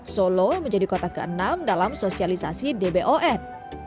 solo menjadi kota ke enam dalam sosialisasi dbon